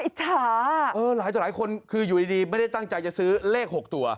อิจฉาเออหลายตัวหลายคนคืออยู่ดีดีไม่ได้ตั้งใจจะซื้อเลขหกตัว